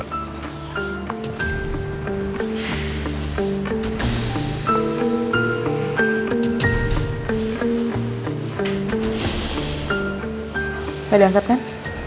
gak diangkat kan